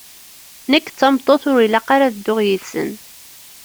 Nekk d tameṭṭut ur ilaq ara ad dduɣ yid-sen!